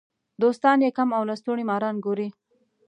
دوستان یې کم او لستوڼي ماران ګوري.